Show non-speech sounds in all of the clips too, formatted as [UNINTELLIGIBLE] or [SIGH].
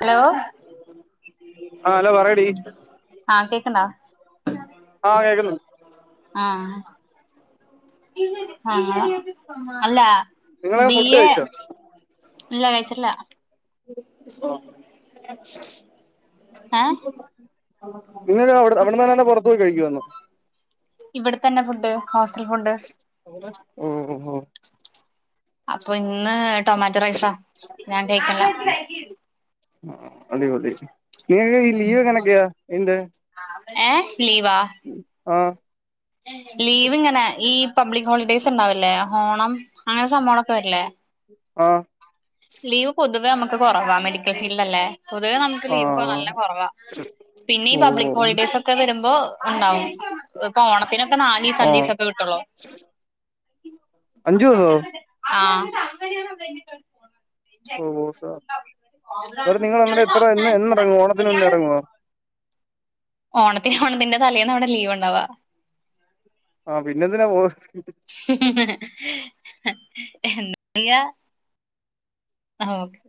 Hello ആഹ് hello പറയ് ആഹ് കേക്കണ്ടാ ആഹ് കേക്കുന്നുണ്ട് ആഹ് ആഹ് അല്ല നിങ്ങള് ബി ഫുഡ് എ കഴിച്ചോ ഇല്ല കഴിച്ചില്ല [UNINTELLIGIBLE] ഏഹ് നിങ്ങക്ക് അവിടെനിന്നാണൊ അതോ പൊറത്ത് പോയി കഴിക്കുവാന്നോ ഇവിടെത്തന്നെ ഫുഡ് ഹോസ്റ്റൽ ഫുഡ് ഓഹ് ഓഹ് ഓഹ് അപ്പൊ ഇന്ന് ടൊമാറ്റോ റൈസാ ഞാൻ ഇണ്ടാക്കിള്ളെ ആഹ് ആഹ് അതെയോ ദേച്ച് നിങ്ങക്ക് ഈ ലീവ് എങ്ങനൊക്കയാ എന്ത് ഏ ലീവാ ആഹ് ലീവ് ഇങ്ങനെ ഈ പബ്ലിക് ഹോളിഡേയ്സ് ഉണ്ടാവല്ലേ ആഹ് ഓണം അങ്ങനെ സംഭവങ്ങളൊക്കെ വരില്ലേ ആഹ് ലീവ് പൊതുവെ നമുക്ക് കൊറവാ മെഡി ക്കൽ ഫീൽഡിലല്ലേ പൊതുവെ നമുക്ക് ആ ലീവ് നല്ല കൊറവാ പിന്നെ ഈ ഓ പബ്ലിക് ഹോളിഡേസ് ഒക് ക്കെ വരുമ്പോ ഉണ്ടാവും ങ്ങക്ക് ഓണത്തിനൊക്കെ നാലീസം ആ അഞ്ചിസൊക്കെ കിട്ടുള്ളൂ അഞ്ചു ദിവസോ അഹ് ഓഹ് വോസാ അവ നിങ്ങള് അന്നേരം എത്ര എന്ന് എന്ന് എറങ്ങും ഓണത്തിന് മുന്നേ എറങ്ങുവോ ഓണത്തിന് ഓണത്തിന്റെ തലേന്ന ഇവിടെ ലീവ് ഉണ്ടാവാ ആഹ് പിന്നെന്തിനാ പോര് എന്താ യാ ഓക്കേ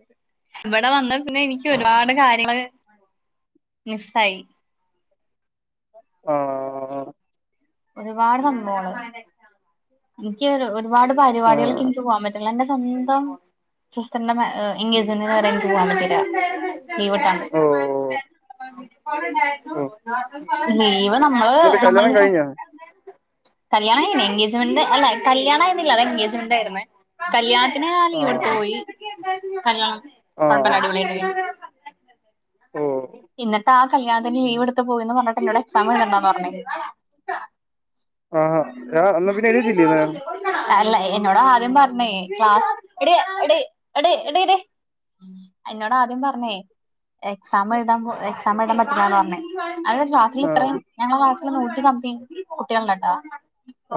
ഇവിടെ വന്നേ പിന്നെ എനിക്ക് ഒരുപാട് കാര്യങ്ങള് മിസ്സായി. ആഹ് ഒരുപാട് സംഭവങ്ങള് എനിക്ക് ഒര് ഒരുപാട് ആ പരിപാടികൾക്ക് എനിക്ക് പോകാൻ പറ്റണില്ല എന്റെ സ് സ്വന്തം സിസ്റ്ററിന്റെ മാ എൻങ്കേജ്മെന്റിന്ന് വരെ എനിക്ക് പോവാൻ പറ്റില്ല. ലീവ് കിട്ടാണ്ട്. ഓ ഓ ലീവ് നമ്മള് എന്നിട്ട് കല്യാണം നമ്മള് കഴിഞ്ഞോ കല്യാണ ആരുന്നു എൻഗേജ്മെന്റ് അല്ല കല്യാണ ആയിരുന്നില്ല അത് എൻഗേജ്മെന്റ് ആയിരുന്നു. കല്യാണത്തിനെ ആൾ ആ ലീവ് എടുത്തു പോയി കല് ആ ആ കുഴമ്പനാടി വിള ഓ ഇന്നലത്തെ ആഹ് കല്യാണത്തിന് ലീവ്ടുത്തു പോയന്ന് പറഞ്ഞിട്ട് എന്നോട് എക്സാം എഴുതണ്ടാന്ന് പറഞ്ഞ് ആഹാ എന്നാ പിന്നെ എഴുതിച്ചില്ലയോന്നാ അല്ല എന്നോടാദ്യം പറഞ്ഞേ ക്ലാസ് എടി എടി എടി എടി ടി എന്നോട് ആദ്യം പറഞ്ഞേ എക്സാം എഴുതാൻ പോയ എക്സാം എഴുതാൻ പറ്റില്ലാന്നാ പറഞ്ഞ അതു ക്ലാസ്സിൽ ഇത്രയും ഞങ്ങള് ക്ലാസ്സില് നൂറ്റി സംതിങ് കുട്ടികളുണ്ട്ട്ട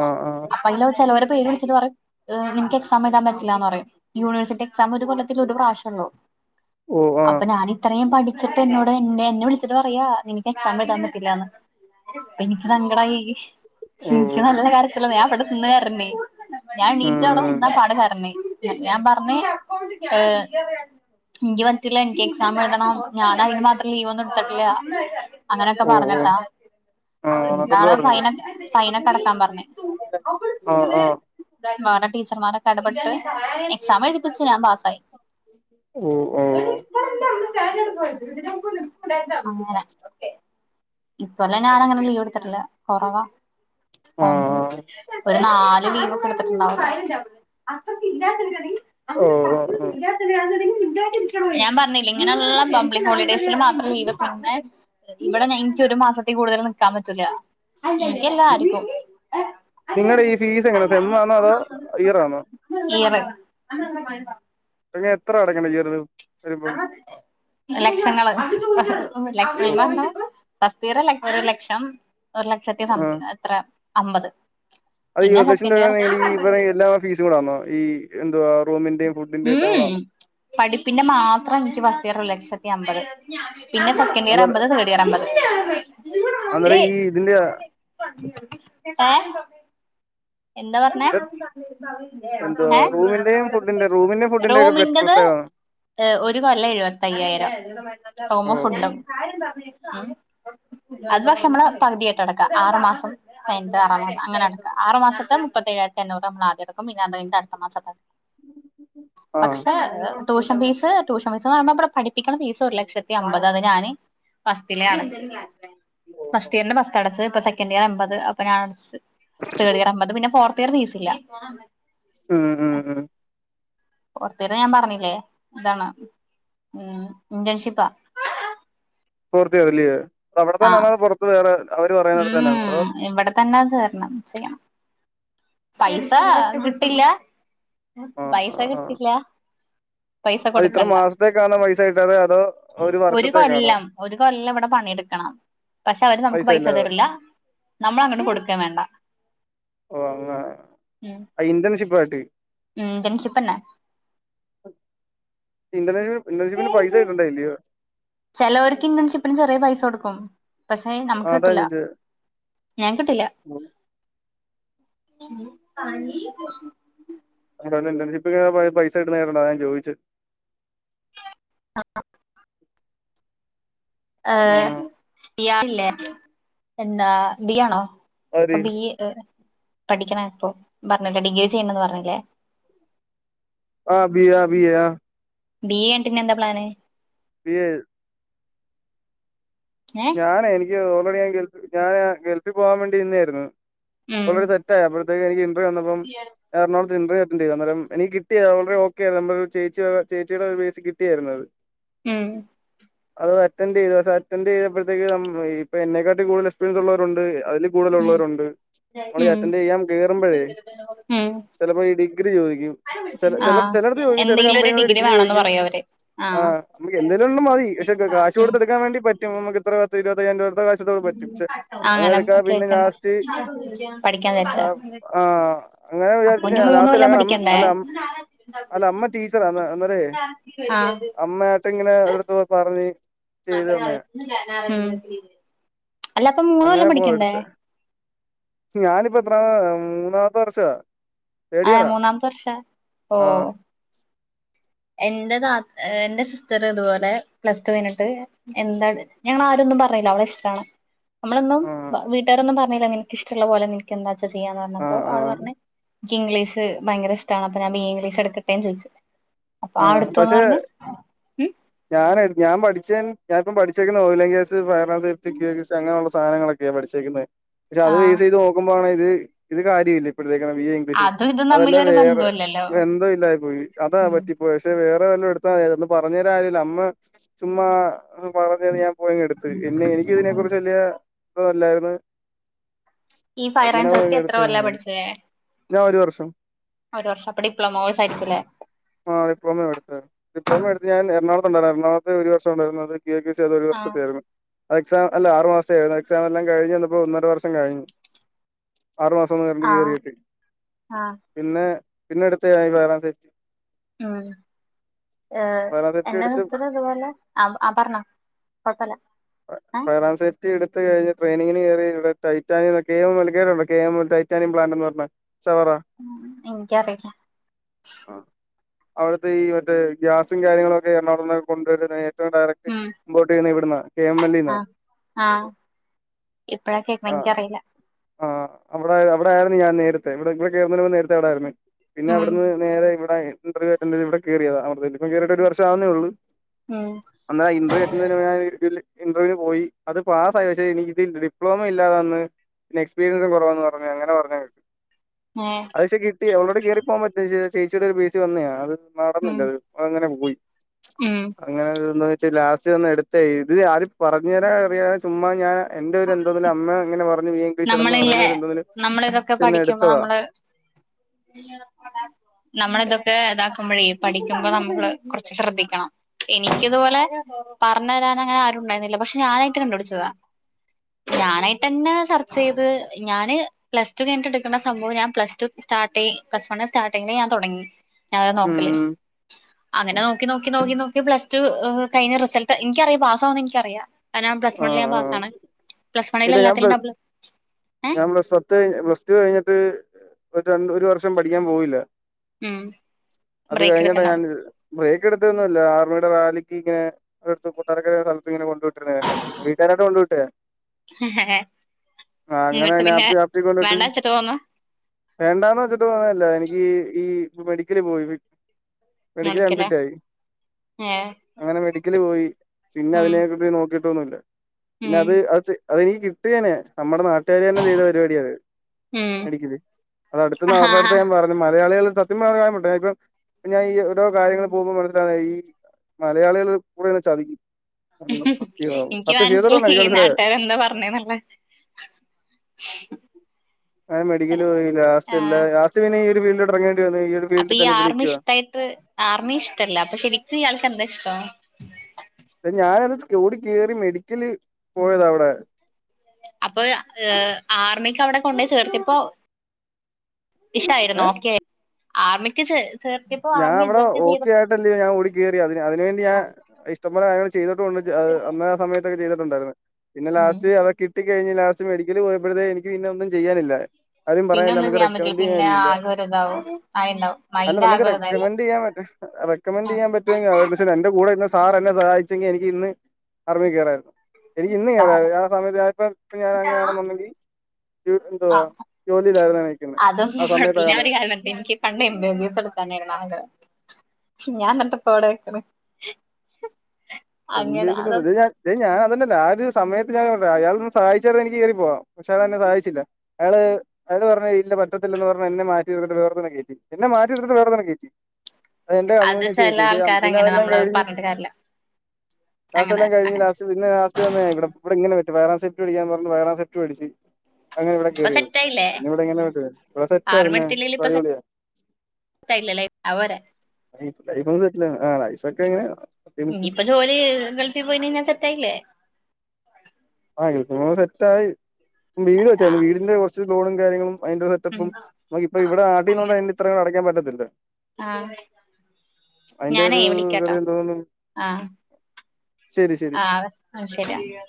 ആ ആ അപ്പല്ല ചിലവരെ പേര് വിളിച്ചിട്ട് പറ ഏ എനിക്ക് എക്സാം എഴുതാൻ പറ്റില്ലാന്ന് പറയും യൂണിവേഴ്സിറ്റി എക്സാം ഒരുകൊല്ലത്തിൽ ഒരു പ്രാവശ്യള്ളൂ ഓ ആ അപ്പൊ ഞാൻ ഇത്രയും പഠിച്ചിട്ട് എന്നോട് എന്നെ വിളിച്ചിട്ട് പറയാ നിനക്ക് എക്സാം എഴുതാൻ പറ്റില്ലന്ന്. എനിക്ക് സങ്കടായി ഓ എനിക്ക് നല്ല കരച്ചില് വന്നു ഞാൻ പെട്ടന്ന് കേറഞ് ഞാൻ എനീറ്റ് അവിടെ ഉം നിന്നാ പാടെ കരഞ് ഞാൻ പറഞ്ഞേ ഏ എനിക്ക് പറ്റില്ല എനിക്ക് എക്സാം എഴുതണം ഞാൻ അതിന് മാത്രം ലീവ് ഒന്നും എടുത്തിട്ടില്ല. അങ്ങനെയൊക്കെ ഓ ഓ പറഞ്ഞിട്ടാ ആ അതെന്താ എന്താണ് പറഞ്ഞു ഫൈനൽ ഫൈൻ അടക്കാൻ പറഞ്ഞെ ആ ആ വേറെ ടീച്ചർമാരൊക്കെ ഇടപെട്ട് എക്സാം എഴുതിപ്പിച്ച് ഞാൻ പാസ്സായി. ഓ ഓ അങ്ങനെ ഇതോണ ഞാൻ അങ്ങനെ ലീവെടുത്തിട്ടില്ല കുറവാ. ആ ഒരു നാല് ലീവ് കൊടുത്തിട്ടുണ്ടാവും ഓ അങ്ങനെ പറഞ്ഞുന്ന് ഇല്ലാത്ത ഒരാളെങ്ങനാ ഇണ്ടാകുന്ന ഞാൻ പറഞ്ഞില്ലെ ഇങ്ങനെയുള്ള പബ്ലിക് ഹോളിഡേസിൽ മാത്രം ലീവ് തന്ന ഇവിടെ എനിക്ക് ഒരു മാസത്തിൽ കൂടുതൽ നിക്കാൻ പറ്റൂല [UNINTELLIGIBLE] നിങ്ങളുടെ ഈ ഫീസ് എങ്ങനെ സെമ്മാണോ അതോ ഇയറാണോ ഏത് ഇനി എത്ര അടക്കണം ഇയറില് ലക്ഷങ്ങള് ഓ, ലക്ഷങ്ങളുണ്ടാക്കും ഫസ്റ്റ് ഇയർ ഒരു ലക്ഷം ഒരു ലക്ഷത്തി ആ സംതി എത്ര അമ്പത് അത് ഈ പിന്നെ ഒരുലക്ഷം സെക്കൻഡ് രൂപ ഇയർ നിഇവടെ ട ഈ എല്ലാ ഫീസൂടെ ആണോ ഈ എന്തുവാ റൂമിന്റെയും ഫുഡിന്റെയും എല്ലാം കൂടെ ഉം ആണോ പഠിപ്പിന്റെ മാത്രം എനിക്ക് ഫസ്റ്റ് ഇയർ ഒരു ലക്ഷത്തി അമ്പത് പിന്നെ ഫുഡ് സെക്കൻ ഇയർ അന്നേര അമ്പത് തേർഡ് ഇയർ അമ്പത് അന്നേരം ങേ ഈ ഇതിന്റെ എന്താ പറഞ്ഞെ എന്തുവാ ങേ റൂമിന്റെയും ഫുഡിന്റെ റൂമിന്റെ ഫുഡിന്റെ ഒക്കെ റൂമിന്റത് പ്രത്യേകമാണോ ഏ ഒരു കൊല്ല എഴുപത്തയ്യായിരം ഓ റൂമും ഓ ഫുഡും ഉ അത് പക്ഷെ മ്മള് പക്‌തി ട്ടടക്ക ആറ് മാസം കയ്ഞ്ഞിട്ട് ആറാം മാസം അങ്ങനടക്കാ ആറ് മാസം ഇപ്പം മുപ്പത്തേഴായിരത്തി എണ്ണൂറ് നമ്മളാദ്യം അടക്കും പിന്നെ അത് കഴിഞ്ഞിട്ടട്ത്ത മാസം [UNINTELLIGIBLE] ആ പക്ഷെ ഏഹ് ട്യൂഷൻ ഫീസ് ട്യൂഷൻ ഫീസ്ന്ന് പറ [UNINTELLIGIBLE] പഠിപ്പിക്ക്ന്ന ഫീസ് ഒര് ലക്ഷത്തി അമ്പത് അത് ഞാന് ഫസ്റ്റിലേ അടച്ച് ഫസ്റ്റിയറിന്റെ ഫസ്റ്റ്ടച്ച് ഇപ്പ സെക്കന്റിയറെമ്പത് അത്പ്പ ഞാൻ അടച്ച് തേർഡിയറമ്പ ത് പിന്നെ ഫോർത്തിയറ് ഫീസില്ല ഉം ഉം ഉം ഫോർത്തിയറ് ഞാൻ പറഞ്ഞില്ലേ ഇതാണ് ഉം ഇന്റേൺഷിപ്പാ പൂർത്തിയാവില്ല്യേ അവിടെത്തന്നെ അതാ പൊറത്ത് വേറെ അവര് പറയുന്നിടത്ത് ഉം തന്നെയാണോ അതോ ഉം ഇവടെ തന്നെ ചേരണം ചെയ്യണം പൈസാ കിട്ടില്ല ആഹ് പൈസ ആഹ് ആഹ് കിട്ടില്ലാ പൈസ അത് ഇത്ര കൊട്ക്കണ്ട മാസത്തേക്കാണോ പൈസ കിട്ടാതെ അതോ ഒരു വർഷത്തേക്കാണോ കൊല്ലം ഒരു കൊല്ലം വടെ പണ്യെട് ക്കണം പക്ഷെ അവര് നമുക്ക് പൈസ തരില്ല നമ്മളങ്ങട്ട് കൊട്ക്കേം വേണ്ട ഓഹ് അങ്ങ ആഹ് ഇന്റെൺഷിപ്പായിട്ട് ഉം ഇന്റേണഷിപ്പെന്നെ ഇന്റണ ഇന്റെൺഷിപ്പിന് പൈസ തര്ണ്‌ണ്ടായില്ല്യോ ചേലോര്ക്ക് ഇന്റെൺഷിപ്പിന് ചെറിയ പൈസാെട്ക്കും പക്ഷേ നമക്ക് ആഹ് അതാ കിട്ടുലാ ചോദിച്ചേ ഞങ്ങ്ക്ക് കിട്ടില്ലാ ഉം പനി അത് പോലെ ഇന്റേൺഷിപ്പെക്കെ പയ് പൈസ കിട്ട്ണായതോണ്ട അതാ ഞാൻ ചോയ്ച്ചെ ആഹ് ആഹ് ഏഹ് ബിയാഹ് ല്ലേ എന്താ ബീയാണോ ആര് അപ്പ ഇയ്യ് പഠിക്ക്ണ ഇപ്പൊ പർഞ്ഞില്ലെ ഡിഗ്രി ചെയ്യ്ണ്‌ണ്ട്ന്ന് പർഞ്ഞില്ലേ ആഹ് ബീയാ ബീ ആഹ് ബി എ യ്ഞ്ഞിട്ട്നെന്താ പ്ലാന് ബി എ ഏഹ് ഞാനേ എനിക്ക് ഓൾറെഡി ഞാൻ ഗൾഫ് ഞാന് ഗൽഫി പോവാൻ വേണ്ടി നിന്നേയ്ര്ന്നു ഉം ഓൾറെഡി സെറ്റായി അപ്പഴത്തേക്ക് എനിക്ക് ഇന്റർ്യൂ വന്നപ്പം എർണാകുളത്ത് ഇന്റർവ്യൂ ചെയ്ത് അന്നേരം എനിക്ക് കിട്ടിയത് ഓൾറെഡി ഓക്കെയാര്ന്ന് [UNINTELLIGIBLE] ചേച്ചി ചേച്ചിയ്ടെ ഒരു ബേസ് കിട്ടിയാര്ന്നു അത് ഏഹ് അത് അറ്റൻഡെയ്ത് പക്ഷെ അറ്റെൻഡെയ്തപ്പഴ്ത്തേക്ക് ഇപ്പ എന്നെക്കാട്ടിം കൂട് എക്സ്പിരിയൻസ് ഉള്ളവരുണ്ട് അതിലി ഉം കൂട്തലുള്ളവരുണ്ട് മ്മളി ഉം അറ്റൻഡെയ്യാം കേറുമ്പഴേ ഉം ചെലപ്പോ ഈ ഡിഗ്രി ചോദിക്കും ചെലെ ചെലപ് ആഹ് ചെലടത്ത് ചോദിക്കും ചെല എന്തെങ്കിലും ഒരു കമ്പനികള് ഡിഗ്രി വേണന്ന് ചോദിക്കും പറയും അവര് ആഹ് നമുക്ക് എന്തേലും ഒന്ന് മതി പക്ഷെ ക കാശ് ഉം റ്റോട്ത്തെട്ക്കാ വേണ്ടി പറ്റും നമുക്കിത്ര പത്ത് ഇര്പത്തയ്യായിരം രൂപൊട്ത്താ [UNINTELLIGIBLE] [UNINTELLIGIBLE] പറ്റും ക്ഷെ അങ്ങനെ എട്ക്കാതെ പിന്നെ ലാസ്റ്റ് പഠിക്കാൻ വിചാരിച്ച ആഹ് ആഹ് അങ്ങനെ അപ്പൊ വിചാര്ച്ച് ഇനി മൂന്ന് ലാസ്റ്റ് കൊല്ലം ഞങ്ങടെ അം പഠിക്കണ്ടേ അല്ല അം അല്ല അമ്മ ടീച്ചറാന്ന് അന്നേരെ ആഹ് പ്പെങ്ങെനെ ഒരോടുത്തൂന്ന് പറഞ്ഞ് ചെയ്ത് തന്നെയാ ഉം അല്ല അപ്പ മൂന്ന് കൊല്ലം പഠിക്കണ്ടേ ഞാനിപ്പ എത്രാ മൂന്നാമത്തെ വർഷവാ തേർഡ് ഏഹ് ഇയറാ മൂന്നാമ്ത്തെ വർഷാ ആഹ് ഓഹ് എന്റെ താത് എന്റെ സിസ്റ്ററ് ഇതുപോലെ പ്ലസ്റ്റു കയ്ഞ്ഞിട്ട് എന്താണ് ഞങ്ങള് ആരും ഒന്നും പറയില്ല അവളെ ഇഷ്ടാണ് നമ്മളൊന്നും ആഹ് വീട്ടുകാരൊന്നും പർഞ്ഞില്ല നിനക്ക് ഇഷ്ടള്ള പോലെ നിനക്ക് എന്താച്ചാ ചെയ്യാന്ന് പഞ്ഞപ്പോ ആഹ് അവള് ആഹ് പർഞ്ഞ് ക്ക് ഇഗ്ലീഷ് ഭയങ്കര ഇഷ്ടാണ് അപ്പ ഞാൻ ബി എ ഇഗ്ലീഷ് എട്ക്കട്ടേന്ന് ചോയ്ച്ച് ആഹ് പഷേ ഉം ഞാൻ ഞാൻ പഠിച്ച ഞാനിപ്പ പഠിച്ചേക്ക ഔൻലൈൻ ക്ലാസ് [UNINTELLIGIBLE] അങ്ങനുള്ള സാധനങ്ങളൊക്കെ പഠിച്ചേക്കുന്നത് പിന്നെ അത് ആഹ് ചെയ്ത് നോ ഇത് ഇത് കാര്യ ഇില്ല ഇപ്പോഴത്തേക്ക ഈ അതും ഇതും അതെല്ലാം തമ്മിലൊരു വേറെ ബന്ധവുമില്ലല്ലോ എന്ന്തോ ഇല്ലായി പോയി അതാ ഉം പറ്റിപ്പോയി പക്ഷെ വേറെ വല്ലാം എടുത്താ ഒന്ന് പറഞ്ഞരാ ആര്ല്ല അമ്മ ചുമ്മാ പറഞ്ഞത് ഞാൻ പോയ് എടുത്ത് പിന്നെ എനിക്ക് ഇതിനെ കുറിച്ച് വല്യ ഇല്ലായിരുന്നു ഈ ഫയർ അങ്ങനെ ആൻഡ് സേഫ്റ്റി പോയി എത്ര എടുത്താ കൊല്ലാ പഠിച്ചേ ഞാൻ ഒരു വർഷം ഒരു വർഷ അപ്പൊ ഡിപ്ലോമ കോഴ്സ് ആരിക്കുംല്ലേ ആ ഡിപ്ലോമ എടുത്ത് ഡിപ്ലോമ എടുത്ത് ഞാൻ എറണാകുളത്ത്ണ്ട ടാ എറണാകുളത്ത് ഒരു വർഷ ഉണ്ടായിരുന്നത് സി അത് ഒരു ആഹ് വർഷത്തായിരുന്നു അത് എക്സാം അല്ല ആറു മാസത്ത ആരുന്നു എക്സാം എല്ലാം കഴിഞ്ഞുന്നപ്പോ ഒന്നര വർഷം കഴിഞ്ഞു ആറു മാസംന്ന് നേരണ്ട് കയറിയിട്ട് ആഹ് പിന്നെ പിന്നെ എടുത്ത ആയി വരാ സെറ്റ് ഉം ഏഹ് ഫയർ ആൻഡ് സേഫ്റ്റി എന്റെ എടുത്ത് സിസ്റ്ററ് അപോലെ ആ ആ പറഞ്ഞോ കൊഴപ്പില്ല [UNINTELLIGIBLE] എടുത്തു കഴിഞ്ഞ് ട്രെയിനിങ്ങിന് കയറി ടൈറ്റാനിയ എൽ [UNINTELLIGIBLE] ടൈറ്റാനിയ പ്ലാന്റ് എന്ന് പറഞ്ഞ [UNINTELLIGIBLE] എനിക്കറിയില്ല ആ അവിടുത്തെ ഈ മറ്റേ ഗ്യാസും കാര്യങ്ങളും ഒക്കെ എറണാകുളത്ത്ന്ന് കൊണ്ടുവരുന്ന ഡയറക്ട് ഉം ഇമ്പോർട്ട് ചെയ്യുന്ന ഇവിടന്നാ കെ എം എൽ ഇന്നാ ആഹ് ആഹ് ഇപ്പഴാ കേക്ക്ന്നേ എനിക്കറിയില്ല ആ് അവിടെ അവിടെ ആയിരുന്നു ഞാൻ നേരത്തെ ഇവിടെ ഇവിടെ കയറുന്നതിന് മുമ്പേ നേരത്തെ അവിടെ ആയിരുന്നു പിന്നെ ഉം അവിടുന്ന് നേരെ ഇവിടെ ഇന്റർവ്യൂ അറ്റൻഡ ചെയ്ത് ഇവിടെ കയറിയതാ ഇവിടെപ്പ കേറിട്ട് ഒരു വർഷം ആവുന്നേ ഉള്ളൂ ആഹ് എന്നാല ഇന്റർവ്യൂ കിട്ടുന്ന ഞ ഇന്റർവ്യൂന് പോയി അത് പാസ്സായി പക്ഷേ എനി ഇതി ഡിപ്ളോമ ഇല്ലാതാന്ന് പിന്നെ എക്സ്പീരിയൻസും കുറവാ പറഞ്ഞ് അങ്ങനെ പറഞ്ഞ കേട്ടക്ക് ഏഹ് പക്ഷെ കിട്ടിയാ അവളോടെ കയറി പോവാൻ പറ്റ പ ചേച്ചിയട ഒരു ബേസി വന്നതാ അത് ഉം നടന്നില്ല അത് അങ്ങനെ പോയി ഉം അങ്ങനെ എന്താ വെച്ചാൽ ലാസ്റ്റ്ന്ന് എടുത്ത ഇത് ആര് പറഞ്ഞു തരാൻ അറിയ ചുമ്മാ ഞാൻ എന്റെ എന്റെ അമ്മ ഇങ്ങനെ പറഞ്ഞു ഈ ഇംഗ്ലീഷ് എടന്ന് നമ്മളില്ലേ പറയുന്നര് എന്തെങ്കിലും നമ്മളിതൊക്കെ ചെന്ന് പഠിക്കുമ്പോ എടുത്തതാ നമ്മള് [INAUDIBLE] നമ്മള ഇതൊക്കെ ഇതാക്കുമ്പോഴേ പഠിക്കുമ്പോ നമ്മള് കുറച്ച് ശ്രദ്ധിക്കണം എനിക്കി ഇതുപോലെ പറഞ്ഞു തരാൻ അങ്ങനെ ആരും ഉണ്ടായിരുന്നില്ല പക്ഷെ ഞാനായിട്ട് കണ്ടു പിടിച്ചു പോവാ ഞാനായിട്ട് എന്നെ സെർച്ച് ചെയ്ത് ഞാന് പ്ലസ് ടു കഴിഞ്ഞിട്ട എടുക്ക്ണ സംഭവം ഞാൻ പ്ല്ടടു സ്റ്റാർട്ട് പ്ലസ് വണ്ണിൽ സ്റ്റാട്ടിങ്ങിൽ ഞാൻ തുടങ്ങി ഞാനാ നോക്കല് ഉം അങ്ങനെ നോക്കി നോക്കി നോക്കി നോക്കി പ്ലസ്ടു കഴിഞ്ഞ റിസൾട്ട് എനിക്കറിയാം പാസ്സാവുന്ന് എനിക്കറിയാം ഞാൻ പ്ലസ് വൺല് ഞാൻ പാസ്സാണ് പ്ലസ് വണ്ണിൽ ഇതാ ഞാൻ എല്ലാത്തിലും പ്ലസ് ഡബിൾ ഏഹ് ഞാൻ പ്ലസ് പത്ത് കഴിഞ്ഞ പ്ലസ് ടു കഴിഞ്ഞിട്ട് ഒരു ര ഒരു വർഷം പഠിക്കാൻ പോയില്ല ഉം അത് ബ്രേക്ക് കഴിഞ്ഞിട്ടാ ഞാൻ ബ്രേക്ക് എടുത്തൊന്നു ഇല്ല ആർമിയുടെ റാലിക്ക് ഇങ്ങനെ അടുത്ത് തറക്കര സ്ഥലത്ത് ഇങ്ങനെ കൊണ്ടിട്ട് വീട്ടുകാരോട്ടെ കൊണ്ടുവിട്ടെ എടുത്തിണ്ടാവും ആഹ് ഇങ്ങട്ട് അങ്ങനെ പിന്നെ വ്യാപ്തി കൊണ്ടിട്ട് വേണ്ടാച്ചിട്ട് തോന്ന വേണ്ടാന്ന് വെച്ചിട്ട് പോന്നല്ല എനിക്ക് ഈ മെഡിക്കല് പോയി മെഡിക്കല് മുടക്കല അഡ്മിറ്റ് ആയി ഏ അങ്ങനെ മെഡിക്കല് പോയി പിന്നെ ഉം അതിനെ കുറിച്ച് നോക്കി കിട്ടൊന്നില്ല പിന്നെ ഉം അത് അത് അതെനിക്ക് കിട്ടിയേനെ നമ്മുടെ നാട്ടിൽ [UNINTELLIGIBLE] ചെയ്ത പരിപാടിയ അടു ഉം ഞ ആഹാ ആരുടെ എട്ത്തോ മലയാളികൾ സത്യംയെ ഇപ്പം ഞാ ഓരോ കാര്യങ്ങൾ പോകുമ്പോൾ ഈ മലയാളികൾ കൂടെ നിന്ന് ചതിക്കും ഇൻക്ക് സത്യം ചെയ്തിട്ടന്ന മനസിലായി എനിക്ക് ഈ മനസ്സിലായത് നാട്ടാര് എന്താ പറഞ്ഞേന്നള്ള [INAUDIBLE] ഞാൻ മെഡിക്കല് പോയില്ല ഹാസ്റ്റൽല. ലാസ്റ്റ് പിന്നെ ഈ ഒരു ഫീൽഡിലോട്ട് ഇറങ്ങേണ്ടി വന്നു ഈ ഒരു അപ്പൊ ഫീൽഡിൽ ഈ തന്നെ ഇപ്പ ആർമി നിൽക്കുവാ ഇഷ്ടായിട്ട് ആർമി ഇഷ്ടല്ല അപ്പൊ ശരിക്കും ഇയാൾക്ക് എന്താ ഇഷ്ടം? പ്പം ഞാനത് ക്ക്യോടി കേറി മെഡിക്കല് പോയത അവിടെ അപ്പൊ ഏ ആർമിക്ക് അവിടെ കൊണ്ടയി ചേർത്തിയപ്പോ ഇഷ്ട്ടായിരുന്നോ ഏഹ് ഓക്കെ ആർമിക്ക് ചേർ ചേർത്തിയ ഞാൻ അവിടെ ഓക്ക ആയിട്ടല്ലേ ഞാൻ ഓടി കയറിയെ അതിന്. അതിനുവേണ്ടി ഞാൻ ആ ഇഷ്ടംപോലെ അയാള് ചെയ്തിട്ടുണ്ട്. ചെ അത അന്ന സമയത്തൊക്കെ ചെയ്തിട്ടുണ്ടായിരുന്നു. പിന്നെ ഉം ലാസ്റ്റ് അതൊക്കെ ഇ കിട്ടി കഴിഞ്ഞ് ലാസ്റ്റ് മെഡിക്കല് പോയപ്പോഴത്തേക്കും എനിക്ക് പിന്ന ഒന്നും ചെയ്യാനില്ല. ആരും പിന്നെ പറയാനില്ല ഒന്നും നമുക്ക് പറ്റില്ല റെക്കമെന്ഡ് ചെയ്യാൻ പിന്നെ അറിയില്ല. ആകെ ഒരിതാവും ആയിണ്ടാവും അല്ല മൈൻഡ് നമുക്ക് ആകെ ഒരിതായിണ്ടാവും റെക്കമെന്റ് ചെയ്യാൻ വരട്ടെ റെക്കമെന്റ് ആ ചെയ്യാൻ പറ്റോങ്കി അവര്ടെ ച്ചതിന് എന്റെ കൂടെ ഇന്ന് സാർ എന്നെ സഹായിച്ചെങ്കി എനിക്ക് ഇന്ന് അ [UNINTELLIGIBLE] കയറായിരുന്നു. എനിക്ക് ഇന്ന് കേ സാര [UNINTELLIGIBLE] ആ സമയത്ത് ഞാനപ്പം ഇപ്പ ഞാന അങ്ങനാണന്നുണ്ടെങ്കി [UNINTELLIGIBLE] എന്തുവാ ആ ജോലിയിലായിരുന്ന എനിക്കന്ന് ആ അതൊന്നും സമയത്തയാണ് [UNINTELLIGIBLE] [UNINTELLIGIBLE] ക്ഷെ ഞാന്നട്ട്പ്പ എവിടെ നിക്കണ. [UNINTELLIGIBLE] ദെ ഞാന അതല്ല ആ ഒരു സമയത്ത് ഞാൻ അവിടണ്ട്. അയാളൊന്ന സഹായിച്ചത് എനിക്ക് കേറി പോവാം. പക്ഷെയാള എന്നെ സഹായിച്ചില്ല. അയാള് അയാള് പറഞ്ഞത് ഇല്ല പറ്റത്തില്ലെന്ന് പറഞ്ഞ് എന്നെ മാറ്റി നിർത്തി വേറൊന്നിനെ കയറ്റി. എന്നെ മാറ്റി നിർത്തിട്ട് വേറൊന്നിനെ കയറ്റി. അത് എന്റെ കണ്മൂന്ന് വെച്ച ചില കയറ്റി. പക്ഷെ ആൾക്കാര് പിന്നെ അങ്ങനെ അതെല്ലാം കഴിഞ്. [UNINTELLIGIBLE] ലാസ്റ്റ് അങ്ങനെ എല്ലാം കഴിഞ് അങ്ങനെ ലാസ്റ്റ് പിന്ന ലാസ്റ്റ് ഇവിടെ ഇവി ഇങ്ങനെ [UNINTELLIGIBLE] സെറ്റുമടിച്ച്. അങ്ങനെ ഇവിടെ ഇപ്പൊ കയറിയത് സെറ്റ് ആയില്ലേ പിന്നെ [UNINTELLIGIBLE] ഇവിടെ എങ്ങനെ ആർമി എടുത്തില്ലെങ്കിൽ ഇപ്പൊ ഇവിടെ. [UNINTELLIGIBLE] ലൈഫ് ഒക്കെ ലൈഫ ഒക്കെ സെറ്റിലായി. ആ ലൈഫ് ഒക്കെ ഇങ്ങനെ. ഇനി ഇപ്പൊ ജോലി ഗൾഫിൽ പോയി കഴിഞ്ഞ ഞാൻ സെറ്റായില്ലേ? ആഹ് [UNINTELLIGIBLE] സെറ്റായി. അപ്പം വീട് ആ വെച്ചരുന്നു വീടിന്റെ കുറച്ച് ലോണും കാര്യങ്ങളും. അതിന്റെ ഒരു ഉം സെറ്റപ്പും ന ഇപ്പൊ ഇവിടെ ആട്ടീണ്ട് അങ്ങനെ [UNINTELLIGIBLE] ഇത്രയും അടക്കാ പറ്റത്തില്ല. ആ അയിന്റെ ഞാനേ ഒരു കറ വിളിക്കാട്ടോ എന്തോ തോന്നുന്നു. [UNINTELLIGIBLE] അത് ശരിയാ